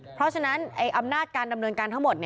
เพราะฉะนั้นอำนาจการดำเนินการทั้งหมด